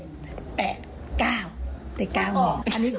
๖หมื่นได้๒แสนก็บาท